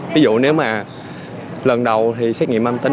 ví dụ nếu mà lần đầu thì xét nghiệm âm tính